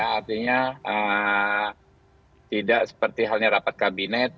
artinya tidak seperti halnya rapat kabinet